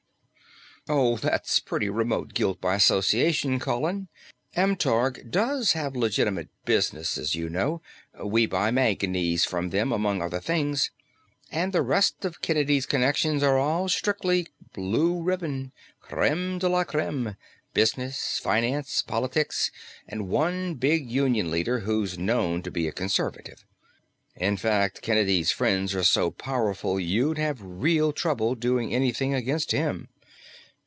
"Oh, that's pretty remote guilt by association, Colin. Amtorg does have legitimate business, you know. We buy manganese from them, among other things. And the rest of Kennedy's connections are all strictly blue ribbon. Crème de la crème business, finance, politics, and one big union leader who's known to be a conservative. In fact, Kennedy's friends are so powerful you'd have real trouble doing anything against him."